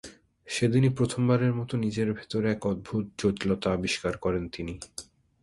সেদিনই প্রথমবারের মতো নিজের ভেতর এক অদ্ভুত জটিলতা আবিষ্কার করেন তিনি।